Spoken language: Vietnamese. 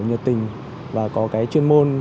nhiệt tình và có cái chuyên môn